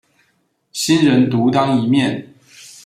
新人獨當一面